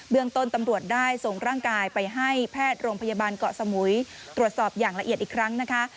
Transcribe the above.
ต้นตำรวจได้ส่งร่างกายไปให้แพทย์โรงพยาบาลเกาะสมุยตรวจสอบอย่างละเอียดอีกครั้งนะคะ